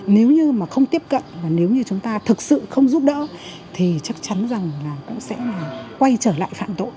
nếu như mà không tiếp cận và nếu như chúng ta thực sự không giúp đỡ thì chắc chắn rằng là cũng sẽ là quay trở lại phạm tội